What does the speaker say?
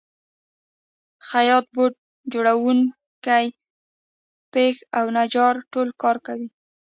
خیاط، بوټ جوړونکی، پښ او نجار ټول کار کوي